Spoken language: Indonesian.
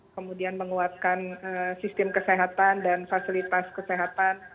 kemudian menguatkan sistem kesehatan dan fasilitas kesehatan